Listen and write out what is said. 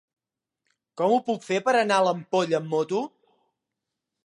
Com ho puc fer per anar a l'Ampolla amb moto?